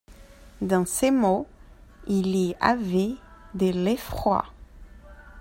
Dans ce mot, il y avait de l'effroi.